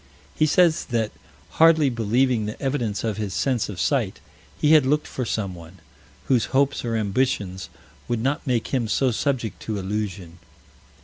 He says that, hardly believing the evidence of his sense of sight, he had looked for someone, whose hopes or ambitions would not make him so subject to illusion.